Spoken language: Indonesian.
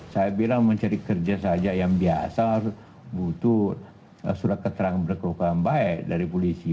saya bilang mencari kerja saja yang biasa harus butuh surat keterangan berkeluargaan baik dari polisi